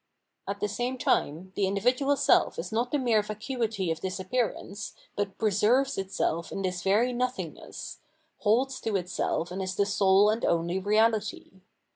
At the same time, the individual self is not the mere vacuity of disappearance, but preserves itself in this very nothiugness, holds to itself and is the sole and only reality.